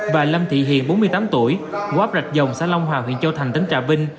và lâm thị hiền bốn mươi tám tuổi quá rạch dòng xã long hòa huyện châu thành tỉnh trà vinh